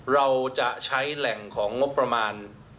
เราจะใช้แหล่งของงบประมาณ